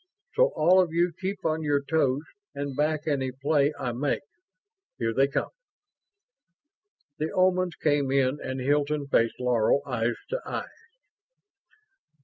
So all of you keep on your toes and back any play I make. Here they come." The Omans came in and Hilton faced Laro, eyes to eyes.